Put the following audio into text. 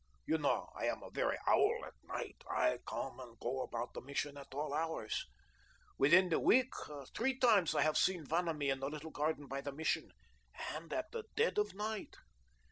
You know I am a very owl at night. I come and go about the Mission at all hours. Within the week, three times I have seen Vanamee in the little garden by the Mission, and at the dead of night.